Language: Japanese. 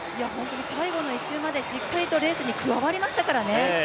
最後の１周までしっかりとレースに加わりましたからね。